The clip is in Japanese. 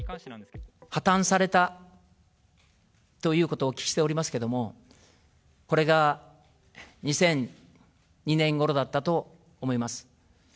破綻されたということをお聞きしておりますけれども、これが２００２年ごろだったと思います。